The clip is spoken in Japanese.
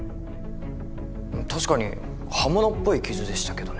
確かに刃物っぽい傷でしたけどね。